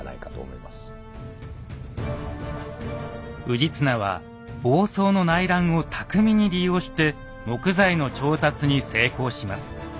氏綱は房総の内乱を巧みに利用して木材の調達に成功します。